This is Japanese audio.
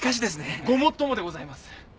ごもっともでございます。